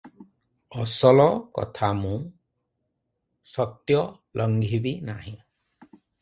ଅସଲ କଥା ମୁଁ ସତ୍ୟ ଲଙ୍ଘିବି ନାହିଁ ।